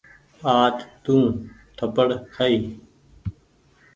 آج تونٚ ٿپڙ کآئي ۔